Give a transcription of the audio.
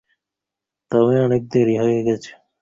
তবে অনেক দেরি হয়ে গেছে।